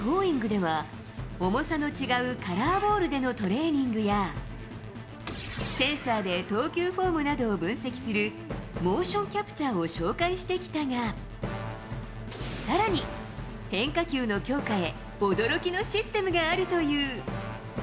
では、重さの違うカラーボールでのトレーニングや、センサーで投球フォームなどを分析する、モーションキャプチャーを紹介してきたが、さらに、変化球の強化へ驚きのシステムがあるという。